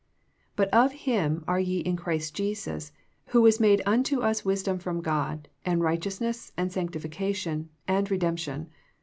But of Him are ye in Christ Jesus, who was made unto us wis dom from God, and righteousness and sanctificaiion, and redemp tion."